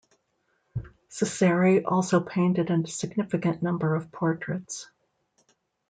Ciseri also painted a significant number of portraits.